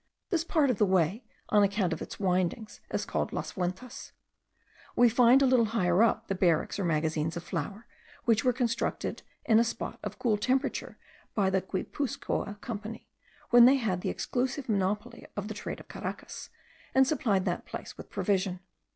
This part of the way, on account of its windings, is called Las Vueltas. We find a little higher up the barracks or magazines of flour, which were constructed in a spot of cool temperature by the Guipuzcoa Company, when they had the exclusive monopoly of the trade of Caracas, and supplied that place with provision.